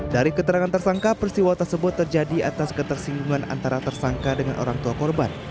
dari keterangan tersangka persiwa tersebut terjadi atas ketersinggungan antara tersangka dengan orang tua korban